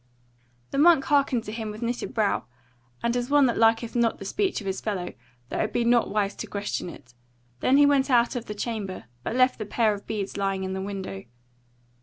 The monk hearkened to him with knitted brow, and as one that liketh not the speech of his fellow, though it be not wise to question it: then he went out of the chamber, but left the pair of beads lying in the window.